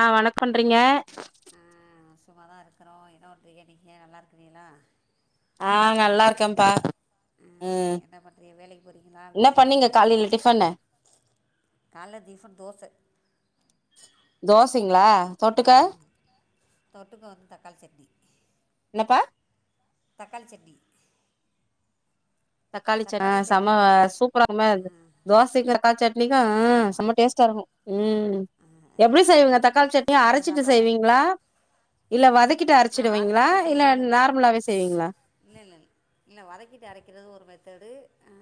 ஆ வணக் பண்றீங்க சும்மா தா இருக்குறோ என்ன பண்றீங்க நீங்க நல்லாருக்கீங்களா ஆ நல்லா இருக்கேன்பா ம் என்ன பண்ணுறீங்க வேலைக்கு போகிறீங்களா என்ன வீட்டில் பண்ணீங்க காலையில டிஃபனு கால்ல டிஃபன் தோச தோசைங்களா தொட்டுக்க ம் தொட்டுக்க வந்து தக்காளி சட்னி என்னப்பா தக்காளிச்சட்னி தக்காளி சட் ஆ செம சூப்பரா இருக்கும தோசைக்கு தக்காளி சட்னிக்கு ஆ ஆமாம் ஆமாம் செம டேஸ்ட் டா இருக்கு எப்டி செய்வீங்க தக்காளி சட்னி நீங்கள் அரைச்சிட்டு சாப்பாடில் செய்வீங்களா இல்ல வதக்கிட்டு ஆ அரைச்சிடுவீங்களா அரைச்சிட்டு இல்ல நார்மலாவே செய்வீங்களா இல்ல இல்லல்ல வதக்கிட்டு அரைக்கிறது ஒரு மெத்தடு ஆ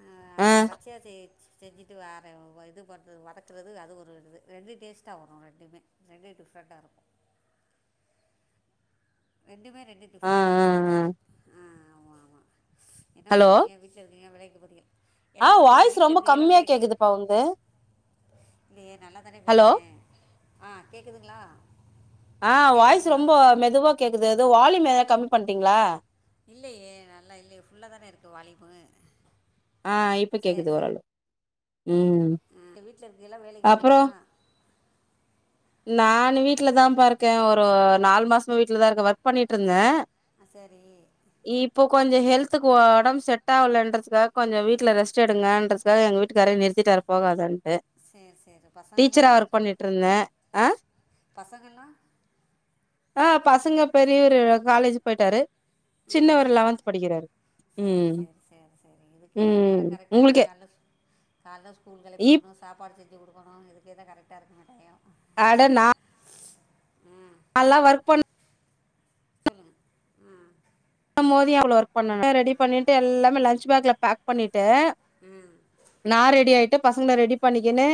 ஆ பச்சையா செய் செஞ்சுட்டு வேற இது பண்றது வதக்குறது அது ஒரு இது ரெண்டு டேஸ்டா வரு ரெண்டுமே ரெண்டு டிஃப்ரெண்டா இருக்கோ ரெண்டுமே ரெண்டு ஆ டிஃப்ரெண்டா ஆ இருக்கு ஆ ஆ ஆமா ஆமா என்ன ஹலோ பண்றீங்க வீ ட்ல இருக்கீங்க வேலைக்கு போறீங்க ஆ என்ன பண்றீங்க வாய்ஸ் வீட்ல ரொம்ப இருக்கியலா கம்மியா வேலைக்கு போல கேக்குதுப்பா உன்து இல்லயே நல்லா தானே ஹலோ பேசுறே ஆ கேக்குதுங்களா ஆ வாய்ஸ் ரொம்ப மெதுவா கேக்குது எதோ வால்யூம் எதா கம்மி பண்ட்டீங்களா இல்லயே நல்லா இல்லயே ஃபுல்லா தான இருக்கு வாலிமு ஆ இப்ப கேக்குது ஓரளவு ம் எங்க வீட்ல இருக்கீயலா வேலைக்கு அப்புறோ போறீங்களா நானு வீட்டுலதாபா இருக்கே ஒரு நாலு மாசமா வீட்டுலதா இருக்கே ஒர்க் பண்ணிட்ருந்தே ஆ சரி இப்போ கொஞ்ச ஹெல்த்து ஒடம்பு செட் ஆகலன்றதுக்காக கொஞ்ச வீட்ல ரெஸ்ட் எடுங்க காக எங்க வீட்டுக்காரே நிறுத்திட்டாரு போகதுன்ட்டு சரி சரி டீச்சரா பசங்கள்லாம் ஒர்க் பண்ணிட்ருந்தே ஆ பசங்கல்ல ஆ பசங்க பெரியூரு காலேஜ் போயிட்டாரு ஆ சின்னவர் சரி சரி லெவன்த் படிக்கிறாரு சரி ம் சரி சரி சரி இதுக்கேதா ம் நேரோ கரெக்டா உங்களுக்கே இருக்குமே கல்ல கால்ல ஸ்கூலுக்கு கெளப்பி இப் விடணு சாப்பாடு செஞ்சு குடுக்கணு இதுக்கே தா கரெக்ட்டா இருக்குமே டையோ ம் நல்லா ஒர்க் பண் சொல்லுங்க ம் போது அவ்ளோ ஒர்க் பண்ணனு எல்லா ரெடி பண்ணிட்டு எல்லாமே லஞ்ச் பேக்ல பேக் பண்ணிட்டு ம் நா ரெடி ஆயிட்டு பசங்கள ரெடி பண்ணிக்குனு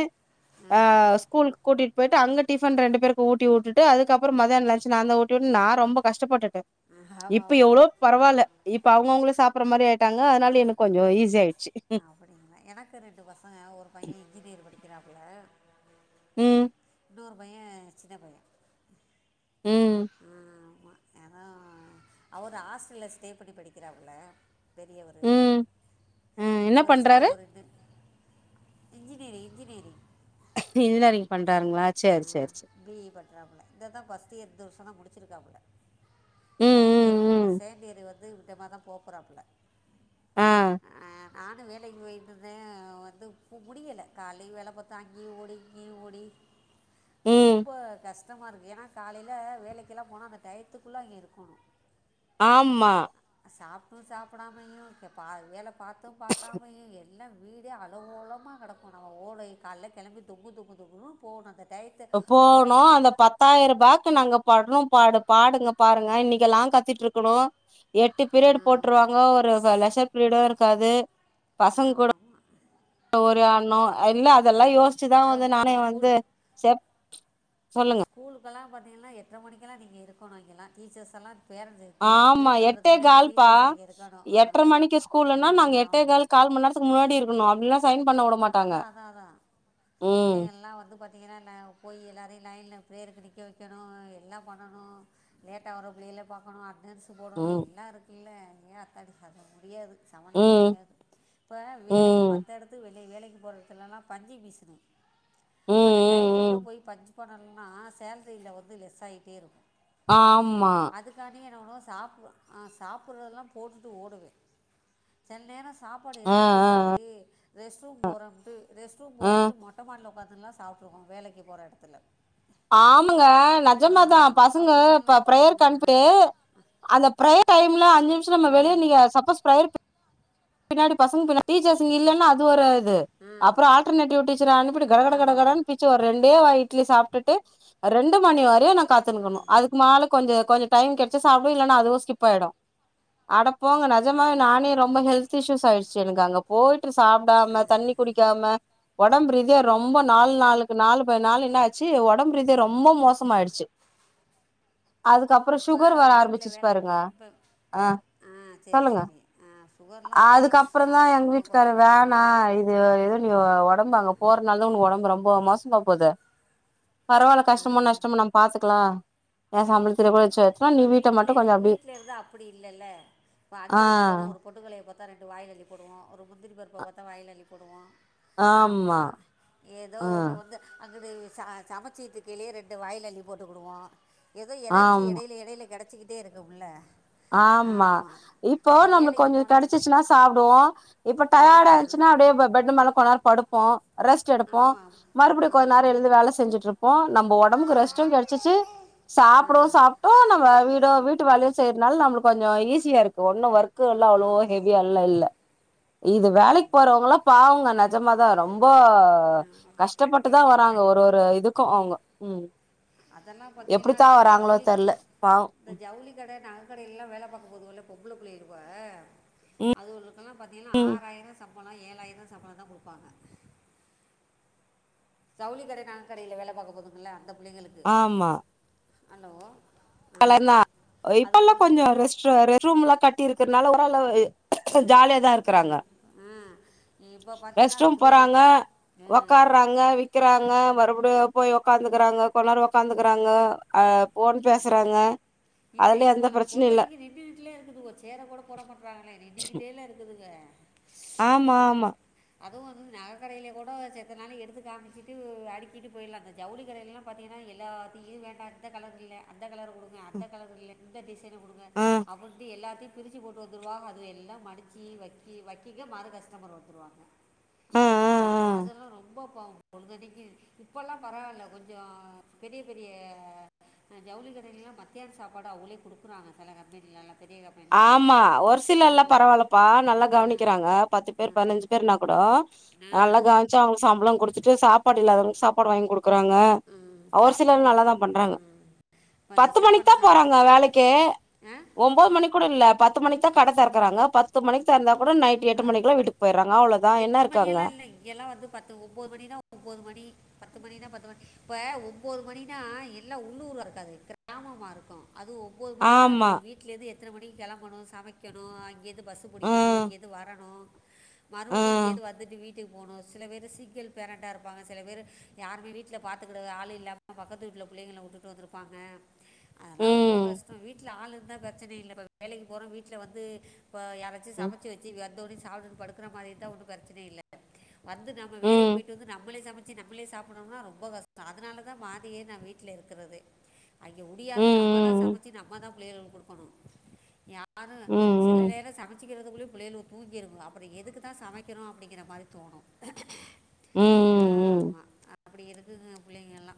ஆ ஸ்கூல் கூட்டிட்டு போயிட்டு அங்க டிஃபன் ரெண்டு பேருக்கு ஊட்டி வுட்டுட்டு அதுக்கப்புற மதியானோ லன்ச் நாந்தா ஊட்டிவுடனு நா ரொம்ப கஷ்டப்பட்டுட்டே ம், ஆமா இப்ப ஆமாம் எவ்ளோ பரவால்ல இப்ப அவங்கவுங்க சாப் பற மாரி ஆயிட்டாங்க அதனால எனக்கு கொஞ்ச ஈசி ஆய்டுச்சு அப்படிங்களா எனக்கு ரெண்டு பசங்க ஒரு பைய இன்ஜினியர் படிக்கிறாப்புல ம் இன்னொரு பைய சின்ன பைய ம் ஆ ஆமா ஏதோ அவரு ஹாஸ்டல்ல ஸ்டே பண்ணி படிக்கிறாப்புல பெரியவரு ம் ம் என்ன இவரு சின்ன பண்றாரு ஊருனு இன்ஜினியரு இன்ஜினியரு இன்ஜினியரிங் பண்றாருங்களா ஆ சேரி சேரி சேரி பீ இ பன்றாப்புல இத தா ஃபர்ஸ்ட்டு இயர் இந்த வருஷ தா முடிச்சிருக்காப்புல ம் ம் சண்டியர் ம் சண்டியர் வந்து இந்த மாதா போகப் போறாப்ல ஆ ஆ நானு வேலைக்கு போயிட்டுதே வந்து மு முடியலை கால வேல பாத்தா அங்கேயு ஓடி இங்கேயு ஓடி ம் ரொம்ப கஷ்டமா இருக்கு ஏன்னா காலையையில் வேலைக்கெல்லா போனா அந்த டயத்துக்குள்ள அங்கே இருக்கணு ஆமா சாப்ட்டு சாப்பிடாமயு பா வேல பாத்து பாக்காமயு எ எல்லா வீடே ஆலங்கோலமா கெடக்கு நாம ஓல கால்ல கெளம்பி தொங்கு தொங்கு தொங்குனு போகணு அந்த டயத்து போணு அங்கெல்லாம் அந்த பத் பத்தாயிரம்பாக்கு நாங்க பாடற பாடு பாடுங்க பாருங்க இன்னைக்கி எல்லா கத்திட்டு இருக்கணு எட்டு பீரியட் ஆமாம் போட்டருவாங்க ஒரு லெசர் பீரியடு இருக்காது பசங் கூட ஆமா ஒரு அண்ணோ இல்ல அதெல்லா யோசிச்சுதா அது வந்து நானே உங்களுக்கு வந்து ஸ்கூல் செப் சொல்லுங்க ஸ்கூலக்கெல்லா பாத்திங்கன்னா எட்டரை மணிக்கலா நீங்க இருக்கணு இங்கெல்லா டீச்சர்ஸ் எல்லா பேரந்தேத்தி ஆமா புள்ளைங்க வர்றதுக்கு எட்டே முன்னாடியே கால்பா டீச்சர்ஸ் அங்கே இருக்கணு ஆ ஆ ஆ கால்மணி நேரத்துக்கு முன்னாடி இருக்கணு அப்டி இல்லன்னா சைன் பண்ண வுட அதா அதா அதா புள்ளைங்கல்லா வந்து பாத் தீங்கன்னா எல்லா போய் எல்லாரையு லைன்ல ப்ரேயருக்கு நிக்க வெக்கணு எல்லா பண்ணணு லேட்டாக வரு பிள்ளைகளை பாக்கணு அட்டனன்ஸ் போடணு ம் எல்லா இருக்குல்ல ஏ அத்தாடி அது முடியாது சமாளிக்க ம் முடியாது இப்ப ம் வேலைக்கு ம் மத்த எடத்து வே இன்னைக்கி வேலைக்கு போற எடத்துல எல்லா பஞ்சிங் மிஷினு அந்த ம் டயத்துக்குள்ள ம் போய் பஞ்சு போடலனா சேலரியில வந்து லெஸ் ஆயிட்டே இருக்கு ஆமா அதுக்கான்டி என்ன பண்ணுவோ சாப் அ சாப்பிடு்றதுலா போட்டுட்டு ஓடுவே செல நேரோ சாப்பாடு ஆ எடுத்துட்டு ஆ போய்ட்டு ரெஸ்ட் ரூம் போறோம்ன்ட்டு ரெஸ்ட் ரூம் ஆ போறன்ட்டு மொட்டமாடில உக்காந்துலா சாப்புட்ருக்கோ வேலைக்கி போறடத்துல ஆமங்க நெஜமாதா பசங்க ப்ப அப்படியெல்லாம் ப்ரெயர்க்குகனுப்புட்டு அந்த ப்ரெயர் டைம்ல அஞ்சு நிமிஷ நம்ம வெளிய நீக்க சப்பஸ் ப்ரெயர் பின்னாடி பசங்க பின்னாடி டீச்சர்ஸ்ங்க இல்லன்னா அது ஒரு இது அப்பற ஆல்டர்னேடிவ் டீச்சர அனுப்பிடு ஆமாம் ஆமாம் கடகடகடகடன் பிச் ச்சு ஒரு ரெண்டே வாய் இட்லி சாப்ட்டுட்டு ரெண்டு மணி வரியு நா காத்துனுக்குணு அதுக்குமேல கொஞ்ச கொஞ்ச டைம் கிடைச்ச சாப்பிட இல்லலை நா அதுவு ஸ்கிப் ஆயிடு அடப்போங்க நஜமாவே ஆமாம் நானே ரொம்ப ஹெல்தி திசிசு சயிடுச்சு எனக்கு அங்க போயிட்டு சாப்பிடாம தண்ணி குடிக்காம ஒடம்பு ரீதியா ரொம்ப நாளு நாளுக்கு நாலு நாலு என்ன ச்சு ஒடம்பு ரீதியா ரொம்ப மோசமா ஆயிடுச்சு அதுக்கப்புறம் இப்போ சுகர் வர வீட்டில் ஆரம்பிச்சிச்சு வேலை பாருங்க இப்போ ஆ சரி சொல்லுங்க சரி ஆ சுகர்லாம் ரொம்ப அதுக்கப்புற மோசம் தா எங்க நடக்கணும் வீட்டுக்காரு கொல்லணும் வேணா ஆ இ து எதோ நீ ஒடம்பு அங்க போறதுனால தா உனக்கு ஒடம்பு ரொம்ப மோசமா போது பரவால்ல கஷ்டமோ நஷ்டமோ நம்ம பாத்துக்கலாம் எ சம்பளத்துல கூட வெச்சு இப்போ வீட்ல வீட்ல இருந்த அப்டி இல்லல்ல இப்போ அடிப்படிக்கு போறோ ஆஹ் ஒரு பொட்டுக்கல்லயப் பாத்தா ரெண்டு வாயில அள்ளிப் போடுவோ ஒரு முந்திரி பருப்ப பாத்தா வாயில அள்ளிப் போடுவோ ஆமா ஏதோ ஒண்ணு ஆஹ் வந்து அங்குட்டு ச சமைச்சிட்டுயிருகையிலே ரெண்டு வாயில அள்ளி போட்டுகிடுவோ ஏதோ எனர்ஜி ஆமா எடையில கெடச்சிகிட்டே இருக்குமுல்ல ஆமா இப்போ நம்முளுக் கொஞ்ச போனால் கெடச்சிச்சுனா சாப்டுவோ இப்ப டயார்டா ஆச்சுனா அப்டே ப்ப பெட் மேல கொன்நேர படுப்போ ரெஸ்ட் எடுப்போ ஆமாம் மறுபுடியு கொஞ்ச நேர எழுந்து வேல செஞ்சுட்ருப் போ நம்ப ஒடம்புக்கு ஆமாம் ஆ ரெஸ்டு ஆ கெடைச்சிச்சு சாப்புடவு சாப்ட்டோ நம்ப வீடு வீட்டு வேலயு செய் நம்ளு கொஞ்சோ ஈஸியா இருக்கு ஒன்னு ஒர்க் ஒல்லா அவ்ளோ ஆமாம் ஆமாம் ஆமாம் ஹெவியால் இல்ல ஆமாம் இல்ல இது இல்லை வேலைக் இல்லை இல்லை போறவங்கலா பாவங்க நஜமாதா ரொம்ப ஆ ஆமாம் கண்டிப்பாக கஷ்டபட்டுதா கண்டிப்பாக வராங்க ஒரு கண்டிப்பாக ஒரு இதுக்கு அவுங்க உம் அதெல்லாம் பார்த்தீங்கன்னா எப்டித்தா இது வராங்களோ ஜவுளி க தெர்ல பாவ் இந்த ஜவுளி கட நக கடைல்லா வேல பாக்க போதுவல்ல பொம்புள புள்ளைல்வ அதுவலுக்கலா பாத்தீங்ன்னா ம் ஆறாயிர சம்பளோ ஏழாயிர சம்பள தா குடுபாங்க சவுளி கடை நக கடையில வேல பாக்க போதுங்கள அந்த புள்ளங்களுக் ஆமா அலோ கலநா உ இப்பலா கொஞ்சு ரெஸ்ட்ராரு ஸ்ட்ரூம்லா கட்டிருகற்னால ஒறலவு ஜாலியாதா இருக் இப்படி க்றாங்க ஆ இப்போ பார்த்தீங்கன்னா அது ரெஸ்ட்ரூம் புளியல் போறாங்க ஆ ஒக்கறாங்க விக் க்கிறாங்க மறுபுடியு போய் ஒக்காந்துகுறாங்க கொஞ்நேர ஒக்காந்துகறாங்க அ போன் பேஸ் சுறாங்க இல்லை இப்ப நா பொழ்தனிக்கி நிட்டுட்டுல இருக்குதுவோ சேர கூட போட மாட்றாகளே நின்னிகிட்டேல்ல இருக்குதுங்க ஆமா நின்னிட் ஆமா அதுவு வந்து நககடைய்லே கூடொ செத்த நாளி எடுத்து காமிச்சிட்டு அடிகிட்டு போயிட்லா இந்த ஜவுளி கடைய்லலாம் பாத்தீன்னா எல்லாத்தியு வேண்டா இந்த கலர் இல்ல அந்த கலர் குடுங்க ஆ இந்த கலர் இல்ல இந்த டிசைனு குடுங்க ஆ அப்புன்ட்டு எல்லாத்தி பிரிச்சு போட்டுவந்துடுவாங்க அதுவ எல்லா மடிச்சி வக்கி வக்கிங்க மறு கஸ்டமர் வந்துருவாங்க ஆஅ அ அதல்லா ரொம்ப பாவம் பொழ்தனிக்கி இப்பல்லா பரவால்ல கொஞ்சோ பெரிய பெரிய அ ஜவுளி கடையிலல்லா பாத் த்தியால் சாப்பாடு அவுளே குடுக்குறாங்க செல கம்பெனிலில்லலா பெரிய கப் ஆமா ஒரு சிலல்லா பரவால்லப்பா நல்லா கவனிக்கிறாங்க பத்து பேர் பனஞ்சி பேர்னா கூட நா சவுங் சம்ப்ள குடுத்துட்டு சாப்பாட்டு இல்லாதவங் சாப்பாடு வாங்கி குடுக்குறாங்க ம், அவர் சாப்பாடு சிலர் நல்லாதா பண்றாங்க ம், கொஞ்சம் பத்து மணிக் தா சாப்பாடுலாம் சாப் போறாங்க வேலைக்கே ஆ ஒம் ம்போத் மணி கூட இல்ல பத்து மணிக்தா கட தெரக்கறாங்க பத்து மணிக் தெர்ந்தா கூட நைட் எட்டு மணிக்குளா வீட்டுக் போய்ராங்க அவ்ளதா என்ன இர்க்காங்க எ இங்கெலா வந்து பத்து ஒம்போது மணி தா ஒம்போது மணி பத்து மணினா பத்து வண் ப்ப ஒம்போது மணினா எல்லா உள்ளூரா இருக்காது கர் ஆமமா இருக்கு அது ஓம் ஒம்போது மணினா ஆமா அதுவோ வீட்லேந்து எத்தன மணிக் கெளம்பணு சமைக்கணு அங்கேந்து பஸ்ஸு புடிக்கணு ம் இங்கேத் து வரணு மறுவுடி ம் இங்கேந்து வந்துட்டு வீட்டுக் போணு சிலபேரு சிங்கிள் பேரண்டா இருப்பாங்க சில பேரு யாருமே வீட்ல பாத்துக்குட ஆளே இல்லாம் அ பக்கத்து விட்ல புள்ளங்கள வுட்டுட்டு வந்துருப்பாங்க அதலா ரொம்ப ம் கஷ்டோ வீட்ல ஆளுர்ந்தா ப்ரச்சனை இல்ல போ வேலைக்கு போற வீட்ல வந்து பா யாராச்சு சமச்சு வச்சி வந்து ஒணே சாப்டுட் படுக்குற மாரி இருந்தா ஒன்னு பெர்ச்சனே இல்ல வந்து நம்ம வேலைக் ம் ம் போய்ட்டுவந்து நம்மளே சம ச்சி நம்மளே சாப்புடும்னா ரொம்ப கஷ்ட அதனாலதா மாதியே நா வீட்ல இருக்குறதே அங்கே ம் ம் உடியாது நம்மதா சமச்சி நம்மதா புள்ளைகளுக் குடுக்கணு யா அதுங்க ம் செல ம் நேர சமச்சிக்கிறது உலும் புள்ளைய்லு தூங்கிருங்க அப்பற எதுக்கு தா சமக்கிறோ அப்டிங்கிற மாரி தோணு ம் ம் ஆமா அப்டி இருக்குதுங்க புள்ளைங்களா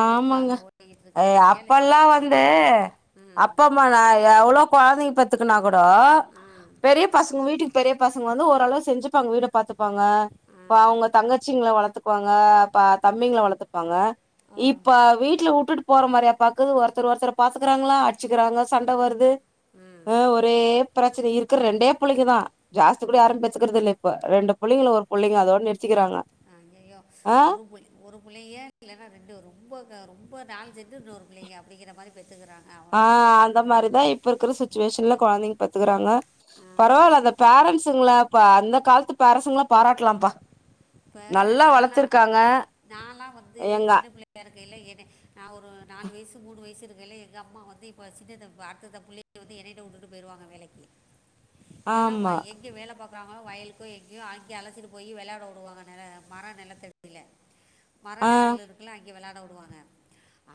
ஆமாங்க அப்பல்லா வந்து ம் அப்ப இப்ப நா எவ்ளோ கொழந்தைங்க பெத்துக்கனா கூட பெரிய பசங்க வீட்டுக் பெரிய பசங்க வந்து ஓரளவு செஞ்சுப்பாங்க வீட பாத்துப்பாங்க இப்ப அவங்க தங்கச்சிங்கள வளத்துப்பாங்க தம்பிங்கள வளத்துப்பாங்க இப்ப வீட்ல உட்டுட் போற மாரியா பாக்குது ஒருத்தர் ஒருத்தர் பாத்துக்கிறாங்களா அடிச்சுக்கறாங்க சண்ட வருது ம் ஒர் ஒரே பிரச்சன இருக்கற ரெண்டே புள்ளைங்கதா ஜாஸ்தி கூட யாரு பெத்துக்கறது இல்ல இப்ப ரெண்டு புள்ளைங்க இல்ல ஒரு புள்ளைங்க அதோட நிறு ஐயயோ ஒரு [unintelligible] ஒரு புள்ளைங்க இல்லன்னா ரெண்டு ரொம்ப க ரொம்ப நாள் ஜெண்டு இன்னொரு புள்ளைங்க அப்டிங்கற மாரி பெத்துகறாங்க ஆ அந்த மாரிதா இப்ப இருக்கற சிச்சுவேஷன்ல கொழந்தைங்க பெத்துக்கறாங்க ஆமா. பரவால்ல அந்த பேரன்ட்ஸுங்களா அந்த காலத்து பேரன்ட்ஸுங்களா பாராட்டலாம்ப்பா இப்ப நல்லா நாலா வளத்துருக்காங்க நாலா வந்து எங்க சின்ன புள்ள எனக்கு இல்லையேன்னு நா ஒரு நாலு வயசு மூணு வயசு இருக்கைல எங்க அம்மா வந்து இப்ப சின்னத அடுத்தடுத்த புள்ளை வந்து என்னைட்ட உட்டுட்டு போயிருவாங்க வேலைக்கு இல்லனா ஆமா வய எங்கே வேல பாக்குறாங்களோ வயலுக்கோ எங்கேயோ அங்க அழச்சிட்டு போய் வெளாட உடுவாங்க ந மர நிலத்தடில மர ஆ நிழல் இருக்குல அங்க விளாட உடுவாங்க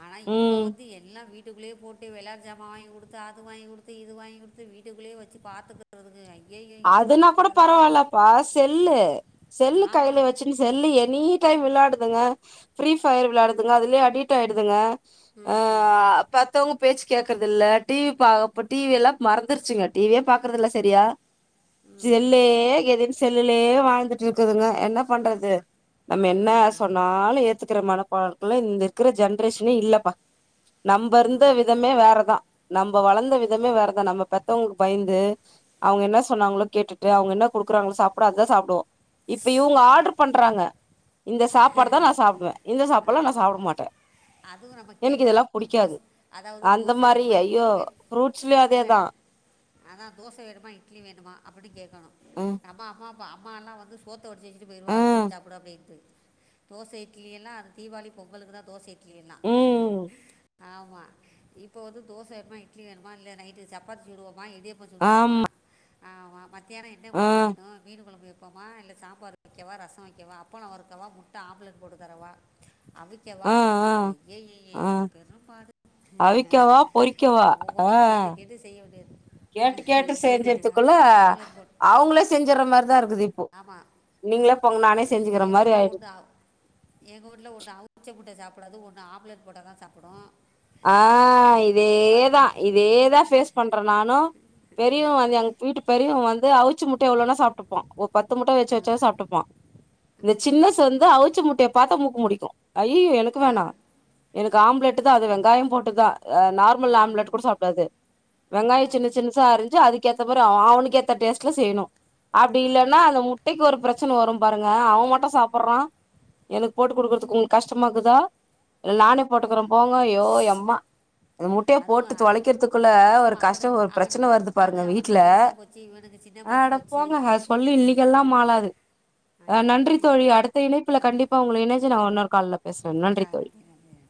ஆனா இப்ப ம் வந்து எல்லா வீட் வீட்டுள்ளேயே போட்டு வெளாட்டு ஜாம வாங்கி குடுத்து அது வாங்கி குடுத்து இது வாங்கி குடுத்து வீட்டுக்குள்ளயே வச்சு பாத்துக றதுக்கு அய்யய்ய அதுனா கூட பரவாலப்பா செல்லு செல்லு ஆமாம் கைல ஆமாம் வச்சுன்னு செல்லு எனி டைம் விளாடுதுங்க ஃப்ரீ ஃபயர் விளாடுதுங்க அதுலயே அடிட் ஆயிடுதுங்க ஆ பெத்தவங்க பேச்சு கேக்குறது இல்ல டிவி ப்ப டிவிலா மறந்துருச்சுங்க டிவியே பாக்குறது இல்ல சரியா செல்லே ம் கதீனு செல்லுலயே வாழ்ந்துட்டு இருக்குதுங்க என்ன பண்றது நம்ம என்னா ம், ஆமாம் சொன்னாலு ஏத்துக்கற மனப்பாக்குல இந்த இருக்கற ஜென்ரேஷனே இல்லப்பா நம்ப இருந்த ஆமாம் விதமே வேறதா நம்ப வளந்த விதமே வேறதா நம்ப பெத்தவங்களுக்கு பயந்து அவங்க என்ன சொன்னாங்ளோ கேட்டுட்டு அவுங்க என்ன குடுக்குறங்ளோ சாப்ட அதுதா சாப்டுவோ இப்ப இவங்க ஆர்டர் பண்றாங்க இந்த சாப்பாடு தா நா சாப்டுவ இந்த சாப்பாட்லா நா ஆமாம் சாப்ட ஆமாம் மாட்ட அதுவும் நம்ம எனக் இதெல்லா கேட்கணும் புடிக்காது தோசை அதாவது அந்த தோசை மாரி வேணுமா ஐயோ இட்லி ஃப்ருட்ஸ்லயு அதேதா அத தோச வேணுமா இட்லி வேணுமா அப்டி கேக்கணு ம் நம்ம அம்மா மா அம்மாலா வந்து சோத்த வடிச்சு வெச்சுட்டு போய்ருவாவ போட்டு ம் சாப்டு அப்டின்ட்டு தோச இட்லி எல்லா அது தீவாளி பொங்கலுக்கு தா தோச இட்லி எல்லா ம் ஆமா இப்போ வந்து தோச வேணுமா இட்லி வேணுமா இல்ல நைட்டு சப்பாத்தி சுடுவோமா இடியப் ப சுடுவோமா ஆமா ஆ மத்தியானோ என்ன ஆ கொழம்பு வேணு மீன் கொழம்பு வைப்போமா இல்ல சாம்பார் வைக்கவா ரசம் வைக்கவா அப்பள வறுக்கவா முட்ட ஆம்லெட் போட்டு தரவா அவிக்கவா ஆ ஆ ஆ அய்யய்யைய பெரும்பாடு அவிக்கவா பொறிக்கவா ஆ ஒவ்வொன்னயு கேட்டு கேட்டு செய்ய வேண்டியது கேட்டு கேட்டு செஞ்சறதுக்குள்ள ஆம்லெட் போட் அவங்களே செஞ்சற மாரிதா இருக்குது இப்போ ஆமாம் நீங்களே போங்க நானே செஞ்சக்கற மாரி ஆய்டுது எங்க ஊட்டுல ஒன்னு அவிச்ச முட்ட சாப்டாது ஒன்னு ஆப்லெட் போட்டாதா சாப்டு ஆ ஐயயே இதேதா பெரும்பாடுதே இதேதா அ ஃபேஸ் ஹ பண்றே நானு பெரியவ வந்து எங்க வீட்டு பெரியவ வந்து அவுச்ச முட்ட எவ்ளோனா சாப்டுப்பா ஒரு பத்து முட்ட அவிச்சு ஆ வச்சா சாப்டுப்பா இந்த சின்னஸ் வந்து அவுச்ச முட்டைய பாத்தா மூக்கு மூடிக்கு ஐயய்யோ எனக் க்கு வேணா எனக்கு ஆம்லெட்டு தா அது வெங்காயோ போட்டுதா நார்மல் ஆம்லெட் ஆமாம் கூட சாப்டாது வெங்காயோ சின்ன ஆமாம் சின்னசா அரிஞ்சு அதுக்கேத்த மாறி அவ அவனுக்கேத்த டேஸ்ட்ல செய்ணு அப்டி இல்லன்னா ஆமாம் அந்த மு ட்டைக்கு ஒரு பிரச்சன வரும் பாருங்க அவன் மட்டு சாப்டுறா எனக்கு போட்டு குடுக்குறதுக்கு உங்களுக்கு கஷ்டமாக்குதா ஆமாம் நானே போட்டுக்குறே போங்க யோ எம்மா அது முட்டையா அதுவும் போட்டு அ- தொலைக்றதுக்குள்ள ஒரு அதுவும் கஷ்டோ அவனுக்கு ஒரு அவனுக்கு பிரச்சன வர்து அது பாருங்க அவனுக்கு வீட்ல பெருசாக போச்சு இவனுக்கு சின்னப்பா அட போச்சு போங்க அத சொல்லி இன்னிக்கெல்லா மாளாது அ ஐயோ நன்றி தோழி அடுத்த இணைப்புல கண்டிப்பா உங்ள இணஞ்சு நாங் இன்னொரு கால்ல பேசுறே நன்றி தோழி கருதிறது